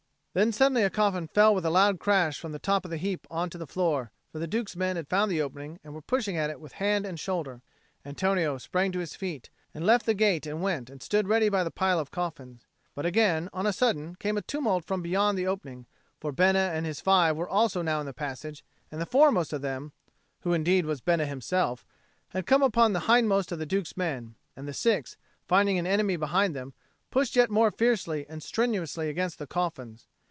Then suddenly a coffin fell with a loud crash from the top of the heap on to the floor; for the Duke's men had found the opening and were pushing at it with hand and shoulder. Antonio sprang to his feet and left the gate and went and stood ready by the pile of coffins. But again on a sudden came a tumult from beyond the opening; for Bena and his five also were now in the passage, and the foremost of them who indeed was Bena himself had come upon the hindmost of the Duke's men, and the six, finding an enemy behind them, pushed yet more fiercely and strenuously against the coffins.